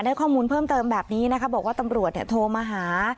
ข้อมูลเพิ่มเติมแบบนี้นะคะบอกว่าตำรวจโทรมาหา